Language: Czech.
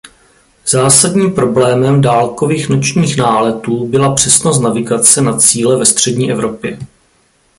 Zásadním problémem dálkových nočních náletů byla přesnost navigace na cíle ve střední Evropě.